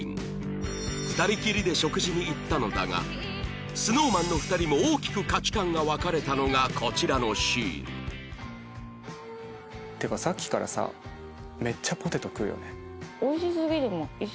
２人きりで食事に行ったのだが ＳｎｏｗＭａｎ の２人も大きく価値観が分かれたのがこちらのシーンっていうかさっきからさめっちゃポテト食うよね。